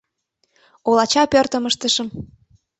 Олача пӧртым ыштышым